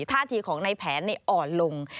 ท่าทีของในแผนอ่อนลง